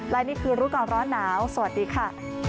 และนี่คือรู้ก่อนร้อนหนาวสวัสดีค่ะ